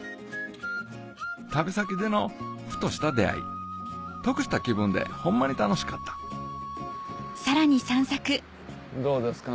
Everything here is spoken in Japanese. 旅先でのふとした出合い得した気分でホンマに楽しかったどうですか？